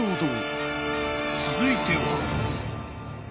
［続いては］